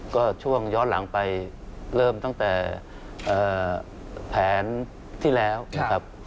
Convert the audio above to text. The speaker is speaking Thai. ก็ช่วงย้อนหลังไปเริ่มตั้งแต่แผนที่แล้วนะครับ